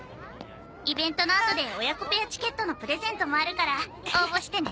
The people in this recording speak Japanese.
イベントのあとで親子ペアチケットのプレゼントもあるから応募してね！